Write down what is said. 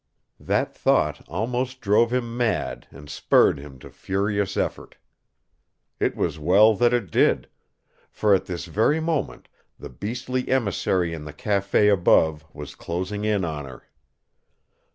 That thought almost drove him mad and spurred him to furious effort. It was well that it did. For at this very moment the beastly emissary in the café above was closing in on her.